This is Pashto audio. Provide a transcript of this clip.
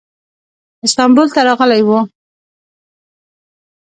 استانبول ته راغلی و.